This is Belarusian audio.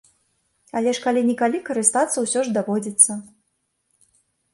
Але ж калі-нікалі карыстацца ўсё ж даводзіцца.